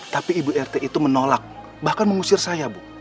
tapi ibu rt itu menolak bahkan mengusir saya bu